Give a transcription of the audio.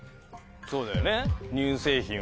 そうだよね。